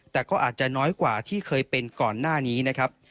แต่ก็อาจจะน้อยกว่าที่เคยเป็นก่อนหน้านี้นะครับ